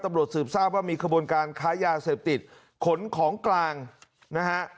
ตำรวจสืบทราบว่ามีขบวนการค้ายาเสพติดขนของกลางนะฮะ